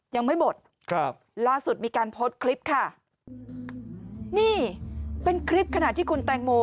ยังไม่หมดครับล่าสุดมีการโพสต์คลิปค่ะนี่เป็นคลิปขณะที่คุณแตงโม